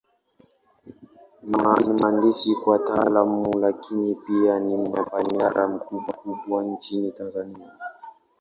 Ni mhandisi kwa Taaluma, Lakini pia ni mfanyabiashara mkubwa Nchini Tanzania.